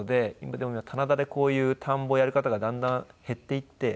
でも棚田でこういう田んぼをやる方がだんだん減っていって。